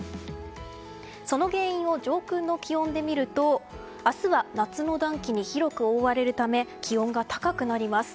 その原因を上空の気温で見ると明日は夏の暖気に広く覆われるため気温が高くなります。